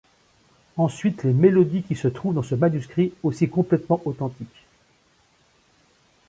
Ensuite, les mélodies qui se trouvent dans ce manuscrit aussi complètement authentiques.